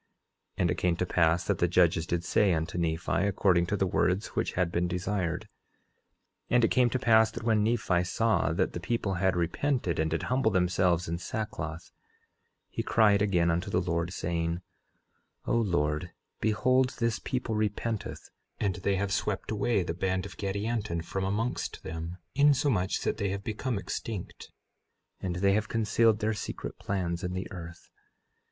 11:9 And it came to pass that the judges did say unto Nephi, according to the words which had been desired. And it came to pass that when Nephi saw that the people had repented and did humble themselves in sackcloth, he cried again unto the Lord, saying: 11:10 O Lord, behold this people repenteth; and they have swept away the band of Gadianton from amongst them insomuch that they have become extinct, and they have concealed their secret plans in the earth.